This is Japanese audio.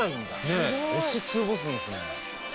ねえ押し潰すんですね。